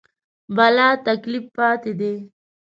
بلاتکلیف پاتې دي.